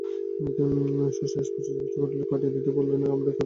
শশী স্পষ্ট জিজ্ঞাসা করিল, পাঠিয়ে দিতে বললে না আপনি কথার ভাবে অনুমান করলেন?